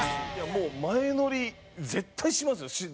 もう前乗り絶対しますよ。